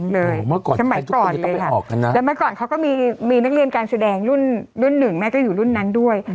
แล้วเมื่อก่อนสมัยก่อนแล้วเมื่อก่อนเขาก็มีนักเรียนการแสดงรุ่นหนึ่งแม่ก็อยู่รุ่นนั้นด้วย